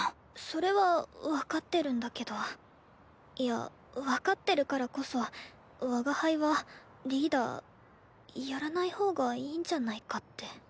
それは分かってるんだけどいや分かってるからこそ我が輩はリーダーやらない方がいいんじゃないかって。